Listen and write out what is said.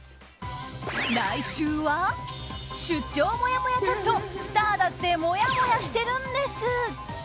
来週は出張もやもやチャットスターだってもやもやしてるんです！